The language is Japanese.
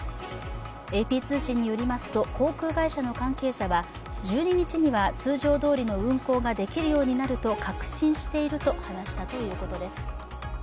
ＡＰ通信によりますと、航空会社の関係者は１２日には通常どおりの運航ができるようになると確信していると話したということです。